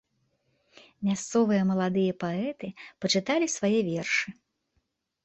Мясцовыя маладыя паэты пачыталі свае вершы.